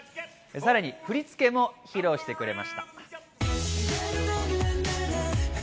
さらに振り付けも披露してくれました。